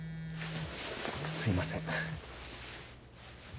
すいません。